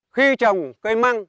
khi trồng cây măng